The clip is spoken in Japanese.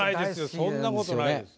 そんなことないです。